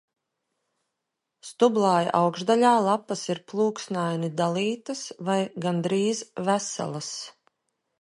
Stublāja augšdaļā lapas ir plūksnaini dalītas vai gandrīz veselas.